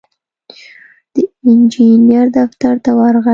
د انجينر دفتر ته ورغی.